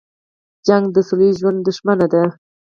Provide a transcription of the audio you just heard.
جګړه د سوله ییز ژوند دښمنه ده